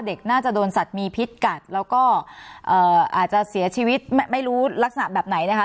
เด็กน่าจะโดนสัตว์มีพิษกัดแล้วก็อาจจะเสียชีวิตไม่รู้ลักษณะแบบไหนนะคะ